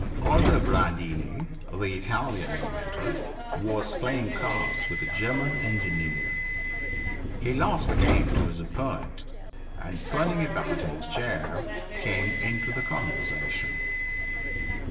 Aldobrandini, the Italian inventor, was playing cards with a German engineer. He lost the game to his opponent, and turning about in his chair, came into the conversation.